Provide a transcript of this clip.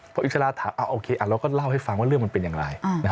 พออิสระถามโอเคเราก็เล่าให้ฟังว่าเรื่องมันเป็นอย่างไร